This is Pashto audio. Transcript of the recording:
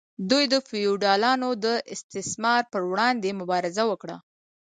دوی د فیوډالانو د استثمار پر وړاندې مبارزه وکړه.